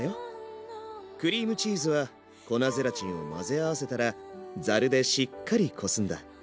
クリームチーズは粉ゼラチンを混ぜ合わせたらざるでしっかりこすんだ。